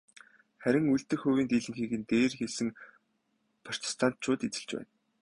Харин үлдэх хувийн дийлэнхийг нь дээр хэлсэн протестантчууд эзэлж байна.